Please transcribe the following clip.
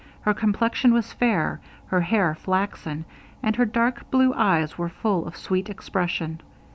Her complexion was fair, her hair flaxen, and her dark blue eyes were full of sweet expression.